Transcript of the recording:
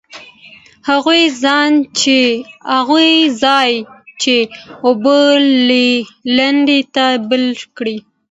هغه ځای چې اوبه لري تل بلل کیږي.